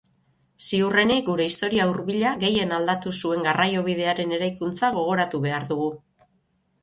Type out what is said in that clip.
Ziurrenik gure historia hurbila gehien aldatu zuen garraiobidearen eraikuntza gogoratu behar dugu.